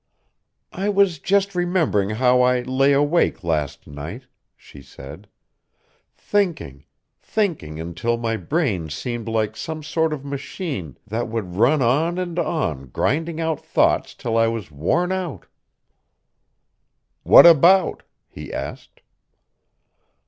"I was just remembering how I lay awake last night," she said, "thinking, thinking until my brain seemed like some sort of machine that would run on and on grinding out thoughts till I was worn out." "What about?" he asked.